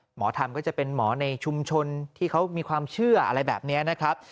หมอทำก็จะเป็นหมอในชุมชนที่เขามีความเชื่ออะไรแบบนี้นะครับ